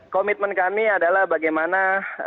komitmen kami adalah bagaimana